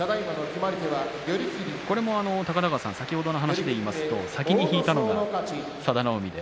これも先ほどの話でいきますと先に引いたのが佐田の海で。